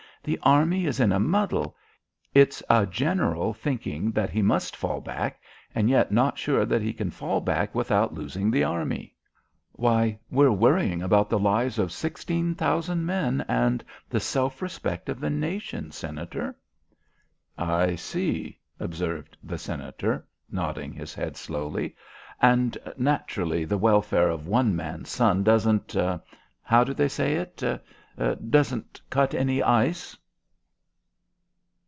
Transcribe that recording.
The Army is in a muddle; it's a General thinking that he must fall back, and yet not sure that he can fall back without losing the Army. Why, we're worrying about the lives of sixteen thousand men and the self respect of the nation, Senator." "I see," observed the Senator, nodding his head slowly. "And naturally the welfare of one man's son doesn't how do they say it doesn't cut any ice."